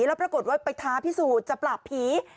แล้วปรากฏว่าไปท้าพิสูจน์จะปราบผี